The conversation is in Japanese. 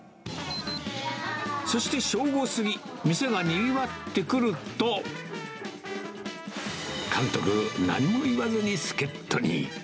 そして正午過ぎ、店がにぎわってくると、監督、何も言わずに助っ人に。